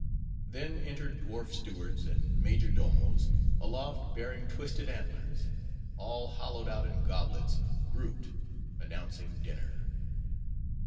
Then entered dwarf stewards, and major domos; aloft bearing twisted antlers; all hollowed out in goblets, grouped; announcing dinner.